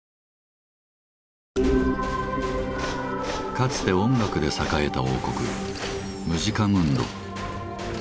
かつて音楽で栄えた王国「ムジカムンド」。